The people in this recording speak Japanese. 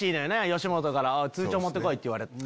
吉本から「通帳持って来い」って言われて。